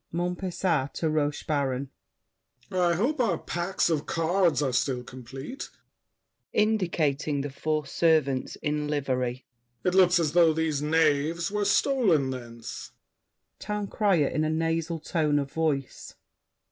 MONTPESAT (to Rochebaron). I hope our packs of cards are still complete. [Indicating the four Servants in livery. It looks as though these knaves were stolen thence. TOWN CRIER (in a nasal tone of voice).